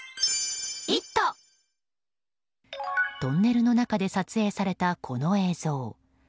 トンネルの中で撮影されたこの映像。